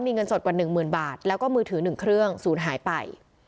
มีเงินสดกว่าหนึ่งหมื่นบาทแล้วก็มือถือหนึ่งเครื่องศูนย์หายไป